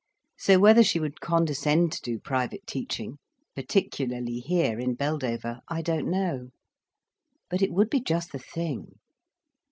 So whether she would condescend to do private teaching, particularly here, in Beldover, I don't know. But it would be just the thing.